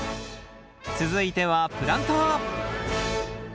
続いてはプランター。